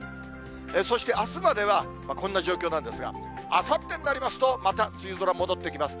そしてあすまではこんな状況なんですが、あさってになりますと、また梅雨空戻ってきます。